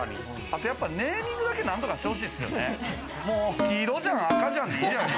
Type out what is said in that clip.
あとネーミングだけ何とかしてほしいですよね。